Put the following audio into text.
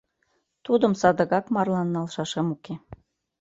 Тудым садыгак марлан налшашем уке!